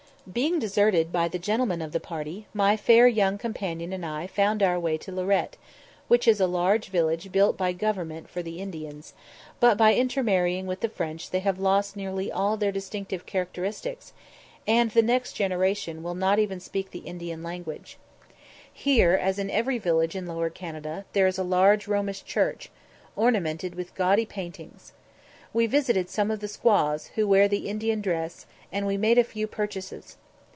Being deserted by the gentlemen of the party, my fair young companion and I found our way to Lorette, which is a large village built by government for the Indians; but by intermarrying with the French they have lost nearly all their distinctive characteristics, and the next generation will not even speak the Indian language. Here, as in every village in Lower Canada, there is a large Romish church, ornamented with gaudy paintings. We visited some of the squaws, who wear the Indian dress, and we made a few purchases.